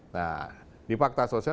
nah di fakta sosial